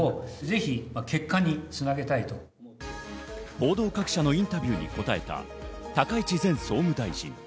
報道各社のインタビューに答えた高市前総務大臣。